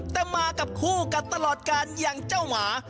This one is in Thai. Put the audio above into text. แต่มากับคู่กัดตลอดการอย่างเจ้าหมา